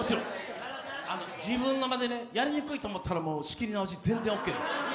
自分の間でね、やりにくいと思ったら仕切り直し全然オーケーです。